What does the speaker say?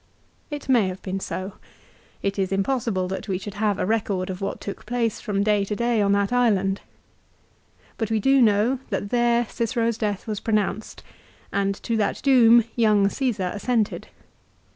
It may have been so. It is impossible that we should have a record of what took place from day to day on that island. But we do know that there Cicero's death was pronounced, and to that doom young Csesar assented.